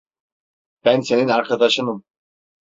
Ben senin arkadaşınım.